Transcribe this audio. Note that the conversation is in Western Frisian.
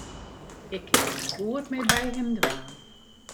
Ik kin gjin goed mear by him dwaan.